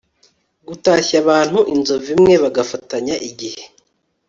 gutashye abantu inzovu imwe bagafatanya igihe